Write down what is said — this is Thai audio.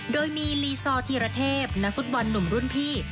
โดยมีลีซอร์ธีรเทพนักฟุตบอลหนุ่มรุ่นพี่